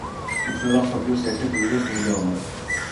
ითვლება მსოფლიოს ერთ-ერთ უდიდეს მუზეუმად.